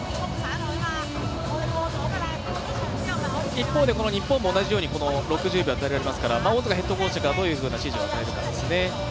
一方で日本も同じように６０秒与えられますからコーチがどういう指示を与えるかですね。